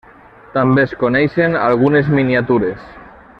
També es coneixen algunes miniatures.